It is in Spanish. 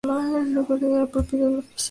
Actualmente es de propiedad municipal.